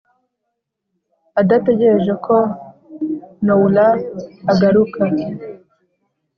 adategereje ko nowla agaruka.